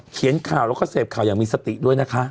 เขียนข่าวแล้วก็เสพข่าวอย่างมีสติด้วยนะคะ